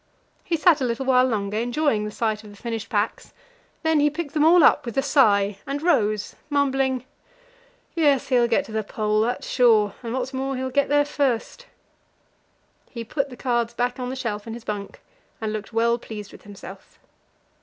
He sat a little while longer, enjoying the sight of the finished packs; then he picked them all up with a sigh, and rose, mumbling: "Yes, he'll get to the Pole, that's sure; and, what's more, he'll get there first." He put the cards back on the shelf in his bunk, and looked well pleased with himself.